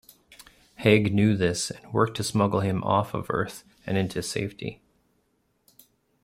Hague knew this, and worked to smuggle him off of Earth and into safety.